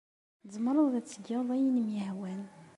Tzemreḍ ad tgeḍ ayen i m-yehwan.